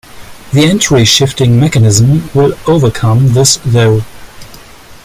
The entry-shifting mechanism will overcome this though.